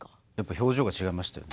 表情が違いましたよね。